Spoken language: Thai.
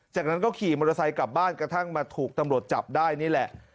จากนั้นก็ขี่มอเตอร์ไซค์กลับบ้านกระทั่งมาถูกตำรวจจับได้นี่แหละ